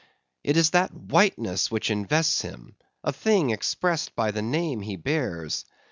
It is that whiteness which invests him, a thing expressed by the name he bears.